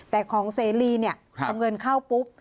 แต่ของเสรีเนี่ยเอาเงินเข้าปุ๊บ